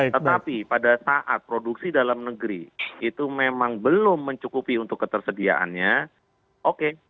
tetapi pada saat produksi dalam negeri itu memang belum mencukupi untuk ketersediaannya oke